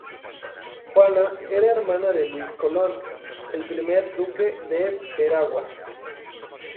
Juana era hermana de Luis Colón, el primer Duque de Veragua.